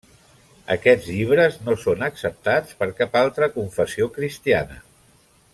Aquests llibres no són acceptats per cap altra confessió cristiana.